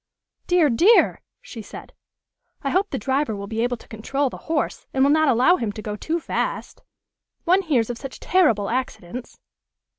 "Dear, dear!" she said. "I hope the driver will be able to control the horse, and will not allow him to go too fast. One hears of such terrible accidents."